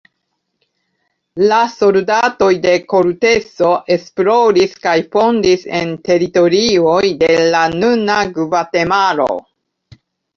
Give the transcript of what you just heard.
La soldatoj de Korteso esploris kaj fondis en teritorioj de la nuna Gvatemalo.